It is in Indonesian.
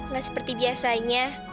gak seperti biasanya